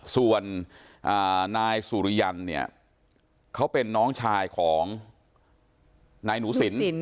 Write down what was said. ส่วนนายสุริยันเนี่ยเขาเป็นน้องชายของนายหนูสิน